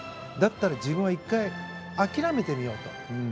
だったら自分は１回諦めてみようと。